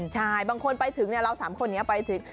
ใช่บางคนไปถึงเดี๋ยวเรา๓คนเข้าไปถึง